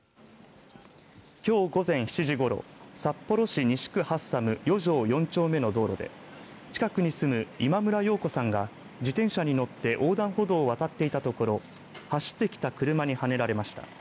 きょう午前７時ごろ札幌市西区発寒４条４丁目の道路で近くに住む、今村容子さんが自転車に乗って横断歩道を渡っていたところ走ってきた車にはねられました。